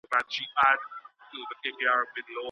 که وخت سم وکارول سي نو ډیر کارونه کیږي.